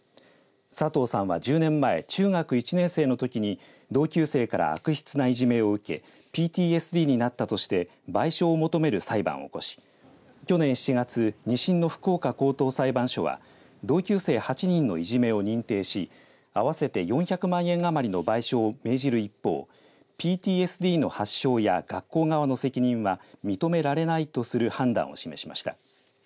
佐藤さんは１０年前中学１年生のときに同級生から悪質ないじめを受けＰＴＳＤになったとして賠償を求める裁判を起こし去年７月２審の福岡高等裁判所は同級生８人のいじめを認定し合わせて４００万円余りの賠償を命じる一方ＰＴＳＤの発症や学校側の責任は認められないとする判断を示しました。